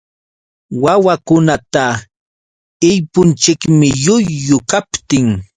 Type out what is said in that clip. Wawakunata illpunchikmi llullu kaptin.